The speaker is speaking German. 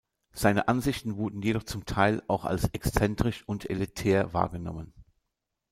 Seine Ansichten wurden jedoch zum Teil auch als exzentrisch und elitär wahrgenommen.